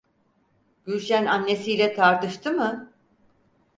Gülşen annesiyle tartıştı mı?